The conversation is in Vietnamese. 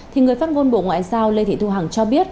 thì người phát ngôn bộ ngoại giao lê thị thu hằng cho biết